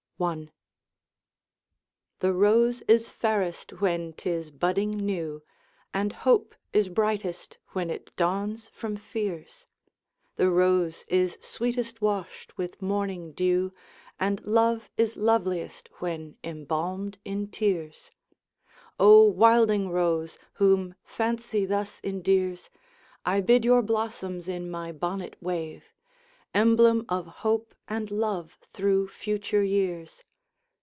I. The rose is fairest when 't is budding new, And hope is brightest when it dawns from fears; The rose is sweetest washed with morning dew And love is loveliest when embalmed in tears. O wilding rose, whom fancy thus endears, I bid your blossoms in my bonnet wave, Emblem of hope and love through future years!'